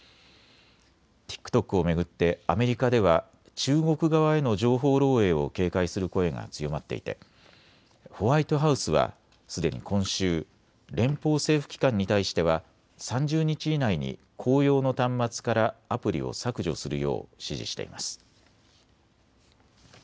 ＴｉｋＴｏｋを巡ってアメリカでは中国側への情報漏えいを警戒する声が強まっていてホワイトハウスはすでに今週連邦政府機関に対しては３０日以内に公用の端末からアプリを削除するよう指示しています。